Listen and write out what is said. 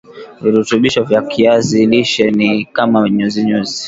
virutubisho vya kiazi lishe ni kama nyuzinyuzi